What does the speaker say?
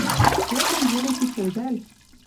Скотым йӹле чӱчӹлдӓл